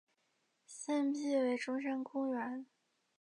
现辟为中山公园。